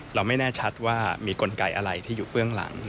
เราไม่แน่ชัดว่ามีกลไกอะไรที่อยู่เบื้องหลัง